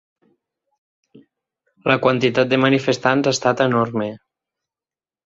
La quantitat de manifestants ha estat enorme.